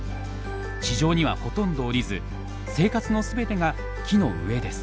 地上にはほとんど降りず生活のすべてが木の上です。